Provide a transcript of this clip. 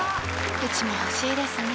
うちも欲しいですね